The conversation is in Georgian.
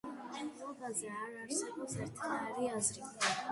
მის წარმომავლობაზე არ არსებობს ერთიანი აზრი.